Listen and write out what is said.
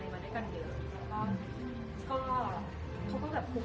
มันไม่ได้ผ่านไม่ได้รู้